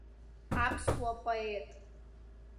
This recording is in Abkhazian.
Аԥсуа поет.